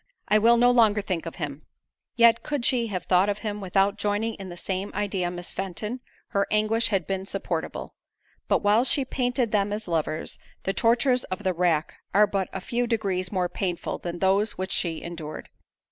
I will no longer think of him." Yet could she have thought of him, without joining in the same idea Miss Fenton, her anguish had been supportable; but while she painted them as lovers, the tortures of the rack are but a few degrees more painful than those which she endured.